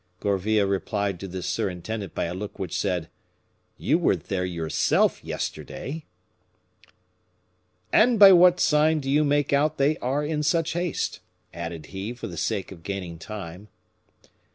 Gourville replied to the surintendant by a look which said: "You were there yourself yesterday." "And by what sign do you make out they are in such haste?" added he, for the sake of gaining time.